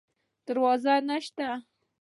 دروازه نشته